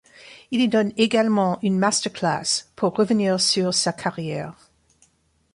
Il y donne également une masterclass pour revenir sur sa carrière.